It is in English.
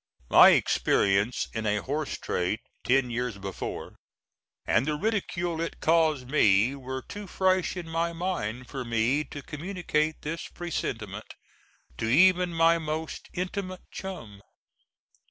My experience in a horse trade ten years before, and the ridicule it caused me, were too fresh in my mind for me to communicate this presentiment to even my most intimate chum.